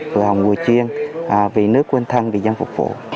vừa hồng vừa chiêng vì nước quên thân vì dân phục vụ